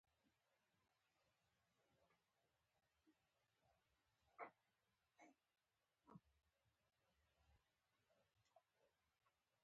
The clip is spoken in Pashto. د مګنیزیم فلز په دویم اصلي ګروپ کې ځای لري.